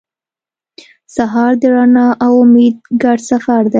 سهار د رڼا او امید ګډ سفر دی.